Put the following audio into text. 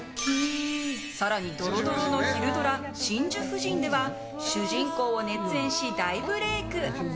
更にドロドロの昼ドラ「真珠夫人」では主人公を熱演し、大ブレーク！